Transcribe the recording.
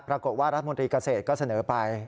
ปรากฏว่ารัฐมนตรีเกษตรก็เสนอไป